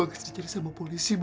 bagas dicari sama polisi bu